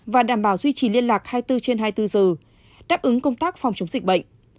và đảm bảo duy trì liên lạc hai mươi bốn trên hai mươi bốn giờ đáp ứng công tác phòng chống dịch bệnh